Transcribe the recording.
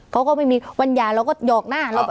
เขาก็ไม่มีวันหย่าเราก็หยอกหน้าเราไป